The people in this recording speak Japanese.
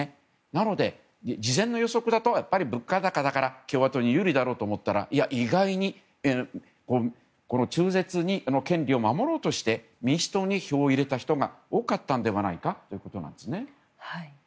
なので、事前の予測だと物価だから共和党に有利だろうと思ったら意外に中絶の権利を守ろうとして民主党に票を入れた人が多かったのではないかということなんですね。